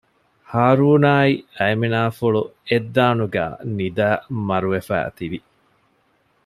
ހާރޫނާއި އައިމިނާފުޅު އެއް ދާނުގައި ނިދައި މަރުވެފައި ތިވި